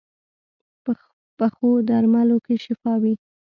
پخو درملو کې شفا وي